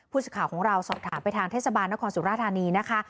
ผู้สื่อข่าวของเราสอบถามไปทางเทศบาลนครสุราธานีนะคะ